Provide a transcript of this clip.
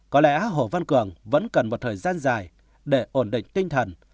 có lẽ hồ văn cường vẫn cần một thời gian dài để ổn định tinh thần